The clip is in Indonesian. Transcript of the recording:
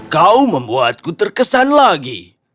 kau membuatku terkesan lagi